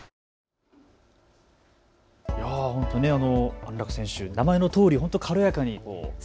安楽選手、名前のとおり軽やかに。